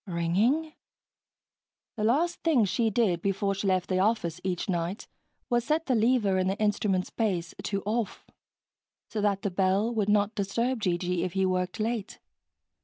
Ringing? The last thing she did before she left the office each night was set the lever in the instrument's base to "off," so that the bell would not disturb G.G. if he worked late.